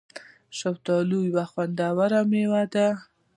شفتالو یو خوندوره مېوه ده